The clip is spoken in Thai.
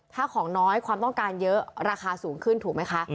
ถ้าของน้อยความต้องการเยอะราคาสูงขึ้นถูกไหมคะ